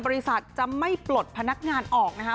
บริษัทจะไม่ปลดพนักงานออกนะคะ